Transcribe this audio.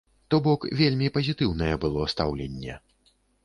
То бок вельмі пазітыўнае было стаўленне.